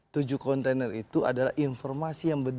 tujuh kontainer itu adalah informasi yang berbeda